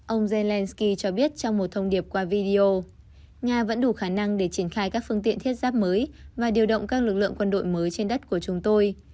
ông zelensky cho biết trong một thông điệp qua video nga vẫn đủ khả năng để triển khai các phương tiện thiết giáp mới và điều động các lực lượng quân đội mới trên đất của chúng tôi